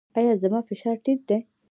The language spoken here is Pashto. ایا زما فشار ټیټ دی؟